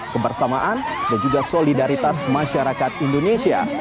kebersamaan dan juga solidaritas masyarakat indonesia